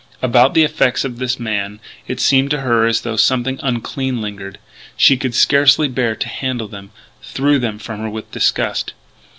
About the effects of this man it seemed to her as though something unclean lingered. She could scarcely bear to handle them, threw them from her with disgust.